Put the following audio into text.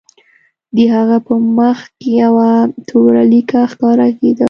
د هغه په مخ یوه توره لیکه ښکاره کېده